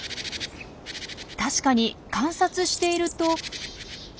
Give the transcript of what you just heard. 確かに観察していると。